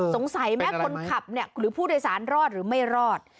สงสัยไหมคนขับเนี่ยหรือผู้โดยสารรอดหรือไม่รอด